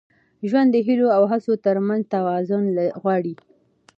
ژوند د هیلو او هڅو تر منځ توازن غواړي.